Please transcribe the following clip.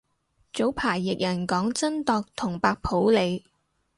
早排譯人講真鐸同白普理